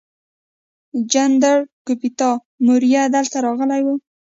چندراګوپتا موریه دلته راغلی و